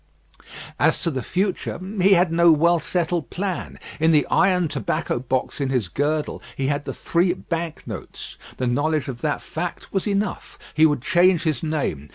As to the future, he had no well settled plan. In the iron tobacco box in his girdle he had the three bank notes. The knowledge of that fact was enough. He would change his name.